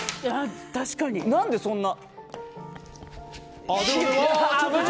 何でそんな。